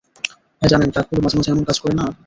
হ্যাঁ, জানেন ট্রাকগুলো মাঝে মাঝে এমন কাজ করে না?